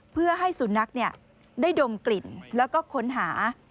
เพื่อให้สุนัขได้ดมกลิ่นแล้วก็ค้นหา